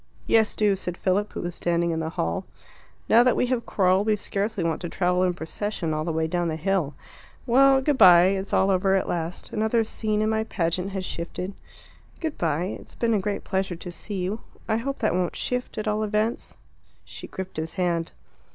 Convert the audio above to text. "Yes, do," said Philip, who was standing in the hall. "Now that we have quarrelled we scarcely want to travel in procession all the way down the hill. Well, good bye; it's all over at last; another scene in my pageant has shifted." "Good bye; it's been a great pleasure to see you. I hope that won't shift, at all events." She gripped his hand.